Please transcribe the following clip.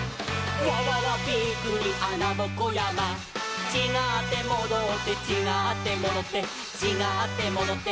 「わわわびっくりあなぼこやま」「ちがってもどって」「ちがってもどってちがってもどって」